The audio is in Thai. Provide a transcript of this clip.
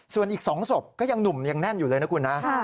ส่วนอีก๒ศพก็ยังหนุ่มยังแน่นอยู่เลยนะคุณนะ